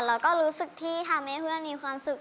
แล้วก็รู้สึกที่ทำให้เพื่อนมีความสุข